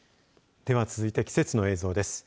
では続いて季節の映像です。